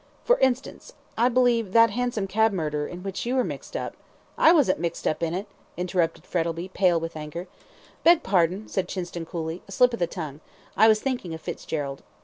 For instance, I believe that hansom cab murder, in which you were mixed up " "I wasn't mixed up in it," interrupted Frettlby, pale with anger. "Beg pardon," said Chinston, coolly, "a slip of the tongue; I was thinking of Fitzgerald.